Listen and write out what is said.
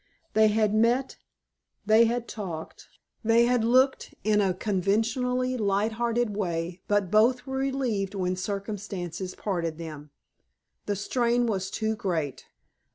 They had met, they had talked, they had looked, in a conventionally light hearted way, but both were relieved when circumstances parted them. The strain was too great.